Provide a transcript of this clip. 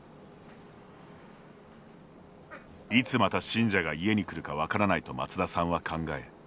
いつまた信者が家に来るか分からないと松田さんは考え